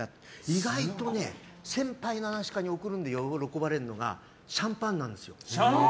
意外と先輩の噺家に贈るので喜ばれるのがシャンパンなんですよ。